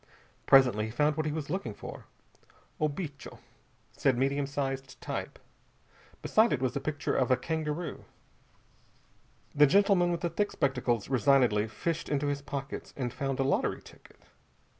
Presently he found what he was looking for. "O Bicho," said medium sized type. Beside it was a picture of a kangaroo. The gentleman with the thick spectacles resignedly fished into his pockets and found a lottery ticket.